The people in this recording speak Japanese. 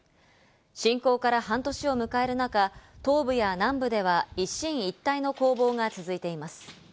侵攻から半年を迎える中、東部や南部では一進一退の攻防が続いています。